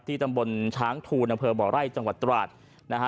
ที่ตำบลช้างทูนอเภอหม่อไร่จังหวัดตรวาดนะฮะ